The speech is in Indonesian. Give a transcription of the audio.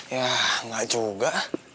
yah gak juga